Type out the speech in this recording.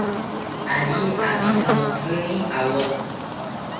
Ari abijamotsimi awotzi